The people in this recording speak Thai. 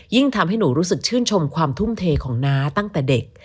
ทำให้หนูรู้สึกชื่นชมความทุ่มเทของน้าตั้งแต่เด็ก